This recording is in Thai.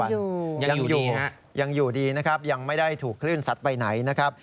ยังอยู่ยังอยู่ดีนะครับยังไม่ได้ถูกคลื่นสัดไปไหนนะครับ